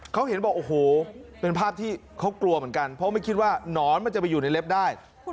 เขาเห็นบอกโอ้โหเป็นภาพที่เขากลัวเหมือนกันเพราะไม่คิดว่าหนอนมันจะไปอยู่ในเล็บได้